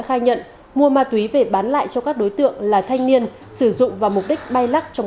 khai nhận mua ma túy về bán lại cho các đối tượng là thanh niên sử dụng vào mục đích bay lắc trong